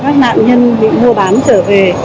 các nạn nhân bị mua bán trở về